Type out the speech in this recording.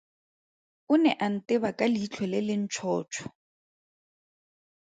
O ne a nteba ka leitlho le le ntšhotšho.